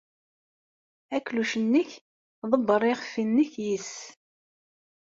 Akluc-nnek ḍebber iɣef-nnek yes-s.